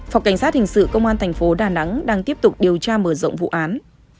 phòng cảnh sát hình sự công an tp đà nẵng đang tiếp tục điều tra mở rộng vụ án